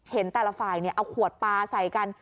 เห็นแต่ละฝ่ายเอาขวดปลาใส่กัน